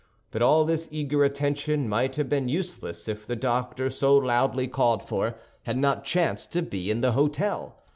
But all this eager attention might have been useless if the doctor so loudly called for had not chanced to be in the hôtel.